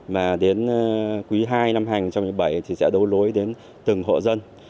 và đến quý ii năm hai nghìn một mươi bảy sẽ đấu lối đến từng hộ dân